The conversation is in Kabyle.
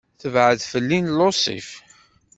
"Tbeεdeḍ fell-i" n Lusif.